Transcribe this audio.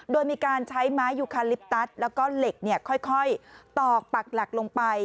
โดยมีการใช้ไม้ยูคาลิปตัสแล้วก็เหล็กค่อยตอกปักหลักลงไป